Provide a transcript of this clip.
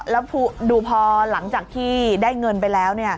แล้วดูพอหลังจากที่ได้เงินไปแล้ว